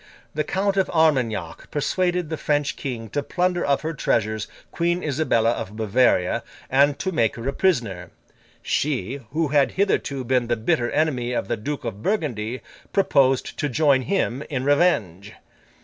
The Count of Armagnac persuaded the French king to plunder of her treasures Queen Isabella of Bavaria, and to make her a prisoner. She, who had hitherto been the bitter enemy of the Duke of Burgundy, proposed to join him, in revenge.